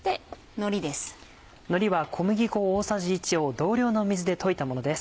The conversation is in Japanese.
のりは小麦粉大さじ１を同量の水で溶いたものです。